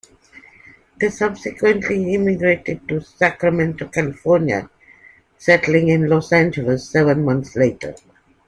They subsequently immigrated to Sacramento, California, settling in Los Angeles seven months later.